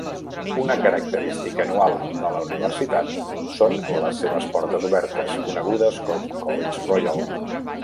Una característica anual de la universitat són les seves portes obertes, conegudes com College Royal.